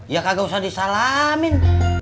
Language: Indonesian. ya kagak usah disalamin